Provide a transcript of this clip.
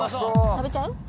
食べちゃう？